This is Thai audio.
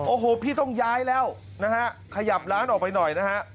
โอ้โหพี่ต้องย้ายแล้วนะฮะขยับร้านออกไปหน่อยนะฮะ